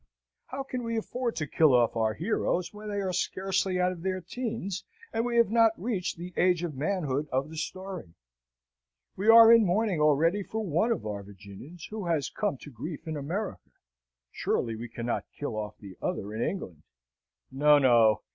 How can we afford to kill off our heroes, when they are scarcely out of their teens, and we have not reached the age of manhood of the story? We are in mourning already for one of our Virginians, who has come to grief in America; surely we cannot kill off the other in England? No, no.